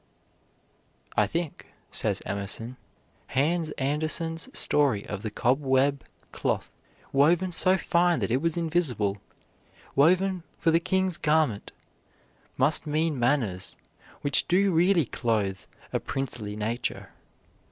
"I think," says Emerson, "Hans Andersen's story of the cobweb cloth woven so fine that it was invisible woven for the king's garment must mean manners, which do really clothe a princely nature."